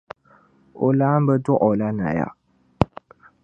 O laamba dɔɣi o la Naya.